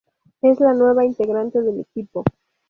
Es la nueva integrante del grupo.